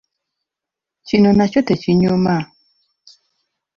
Kino nakyo tekinyuma.